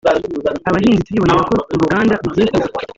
Abahinzi turibonera ko uruganda rugiye kuzura